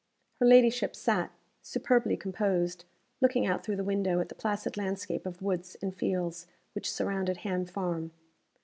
Her ladyship sat, superbly composed, looking out through the window at the placid landscape of woods and fields which surrounded Ham Farm.